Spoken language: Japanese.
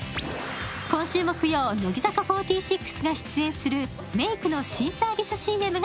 今週木曜、乃木坂４６が出演するメークの新サービス